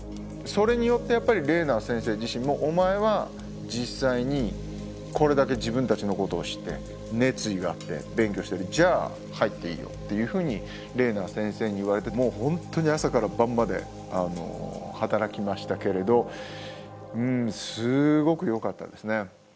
それによってやっぱりレーナー先生自身もお前は実際にこれだけ自分たちのことを知って熱意があって勉強してるじゃあ入っていいよっていうふうにレーナー先生に言われてもう本当に朝から晩まで働きましたけれどすごくよかったですね。